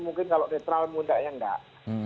mungkin kalau netral mudahnya enggak